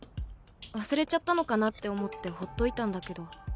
忘れちゃったのかなって思ってほっといたんだけど。